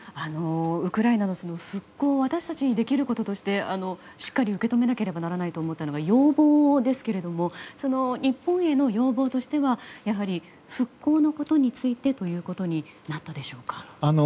ウクライナの復興私たちにできることとしてしっかり受け止めなければならないと思ったのが要望ですけれども日本への要望としてはやはり復興のことについてということになったでしょうか。